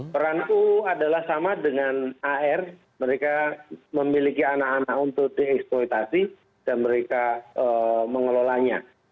peran u adalah sama dengan ar mereka memiliki anak anak untuk dieksploitasi dan mereka mengelolanya